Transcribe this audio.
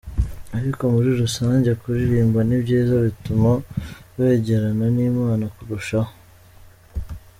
Ariko muri rusange kuririmba ni byiza bituma wegerana n’Imana kurushaho.